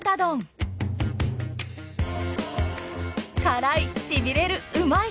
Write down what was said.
辛いしびれるうまい！